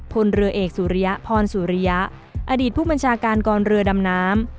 พลเรือเอกสุริยะพรสุริยะอดีตผู้บัญชาการกองเรือดำน้ำ